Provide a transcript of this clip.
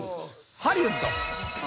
ハリウッド！